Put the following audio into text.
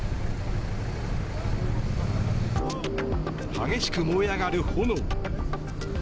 激しく燃え上がる炎。